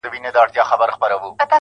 پر ټول جهان دا ټپه پورته ښه ده,